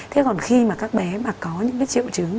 thế còn khi mà các bé mà có những cái triệu chứng